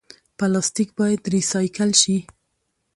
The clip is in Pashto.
پلاستیک باید ریسایکل شي